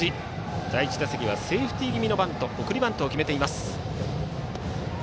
第１打席はセーフティー気味の送りバントを決めています。